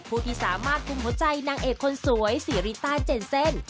ผู้ที่สามารถคุมหัวใจนางเอกคนสวยสีริต้าเจนเซ่น